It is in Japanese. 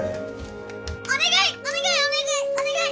お願い！